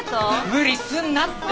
無理すんなって。